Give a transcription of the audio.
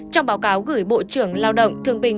trong báo cáo gửi bộ trưởng lao động thương bình